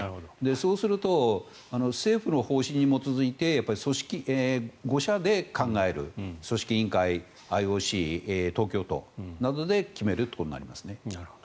そうすると政府の方針に基づいて５者で考える組織委員会、ＩＯＣ東京都などで決めるということになります。